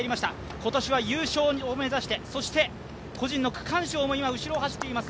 今年は優勝を目指して、個人の区間賞も今後ろを走っています